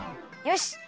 よし！